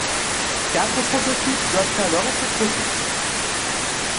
Quatre prototypes doivent alors être produits.